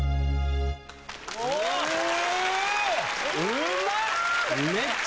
うまっ！